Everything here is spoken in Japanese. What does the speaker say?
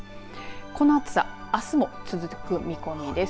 この暑さあすも続く見込みです。